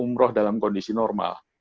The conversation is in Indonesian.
umroh dalam kondisi normal